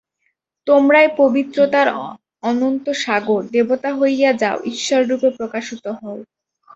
তোমরাই পবিত্রতার অনন্ত সাগর! দেবতা হইয়া যাও, ঈশ্বররূপে প্রকাশিত হও।